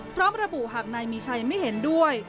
พร้อมระบุหากนายมีชัยไม่เห็นด้วย